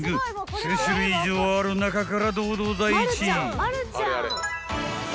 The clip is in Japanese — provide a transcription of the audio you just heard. ［１，０００種類以上ある中から堂々第１位］